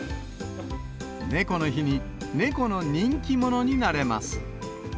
猫の日に猫の人気者になれます。